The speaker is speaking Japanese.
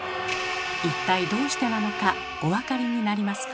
一体どうしてなのかお分かりになりますか？